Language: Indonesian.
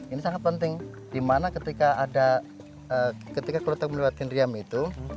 ini sangat penting dimana ketika ada ketika kalau kita melihatkan riam itu